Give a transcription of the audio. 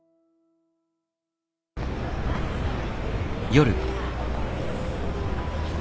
夜。